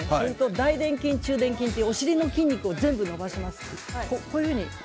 大でん筋と中でん筋後ろのお尻の筋肉を全部伸ばします。